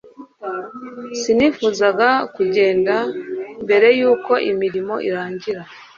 sinifuzaga kugenda mbere yuko imirimo irangira